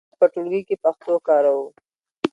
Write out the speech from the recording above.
موږ په ټولګي کې پښتو کاروو.